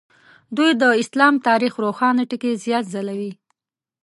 دوی د اسلام تاریخ روښانه ټکي زیات ځلوي.